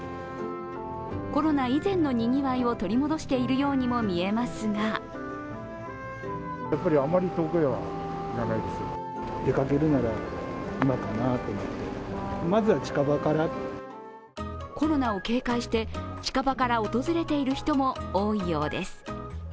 コロナ以前のにぎわいを取り戻しているようにも見えますがコロナを警戒して、近場から訪れている人も多いようです。